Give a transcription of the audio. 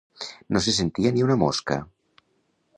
No se sentia ni una mosca.